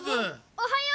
おはよう。